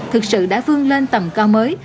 thực sự đã vươn lên tầm cao mới